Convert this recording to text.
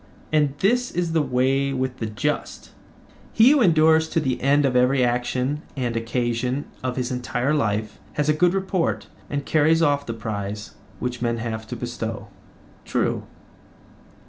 And this is the way with the just; he who endures to the end of every action and occasion of his entire life has a good report and carries off the prize which men have to bestow. True.